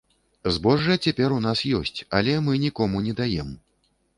Збожжа цяпер у нас ёсць, але мы нікому не даем.